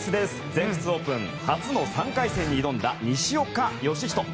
全仏オープン初の３回戦に挑んだ西岡良仁。